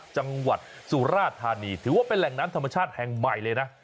จังหวัดสุราธานีถือว่าเป็นแหล่งน้ำธรรมชาติแห่งใหม่เลยนะ